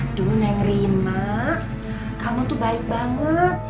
aduh neng rima kamu tuh baik banget